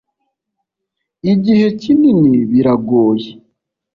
igihe kinini biragoye,